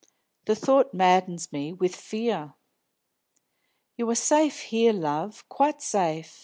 The thought maddens me with fear." "You are safe here, love, quite safe!"